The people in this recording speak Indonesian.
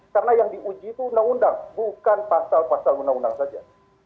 karena yang diuji itu undang undang bukan pasal pasal undang undang saja